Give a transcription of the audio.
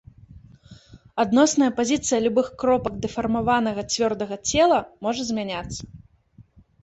Адносная пазіцыя любых кропак дэфармаванага цвёрдага цела можа змяняцца.